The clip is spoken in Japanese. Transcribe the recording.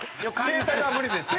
携帯は無理でした。